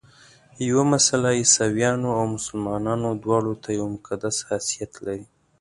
یوه مسله عیسویانو او مسلمانانو دواړو ته یو مقدس حیثیت لري.